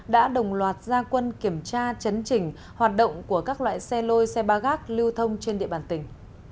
đã đồng loạt gia quân kiểm tra chấn chỉnh hoạt động của các loại xe lôi xe ba gác lưu thông trên địa bàn tỉnh